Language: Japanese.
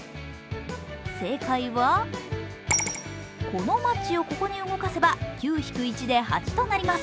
正解は、このマッチをここに動かせば９引く１で８となります。